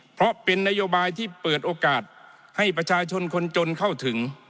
เพราะเป็นนโยบายที่เปิดโอกาสให้ประชาชนคนจนเข้าถึง